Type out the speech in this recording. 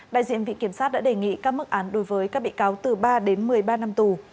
đại diện viện kiểm sát đã đề nghị các mức án đối với các bị cáo từ ba đến một mươi ba năm tù